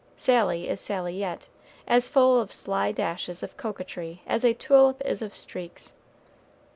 Sally is Sally yet as full of sly dashes of coquetry as a tulip is of streaks.